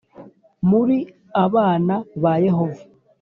Muri abana ba yehova